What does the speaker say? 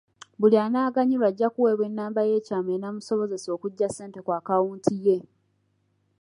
Buli anaaganyulwa ajja kuweebwa ennamba y'ekyama enaamusobozesa okuggya ssente ku akawunti ye